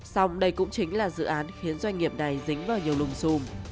xong đây cũng chính là dự án khiến doanh nghiệp này dính vào nhiều lùm xùm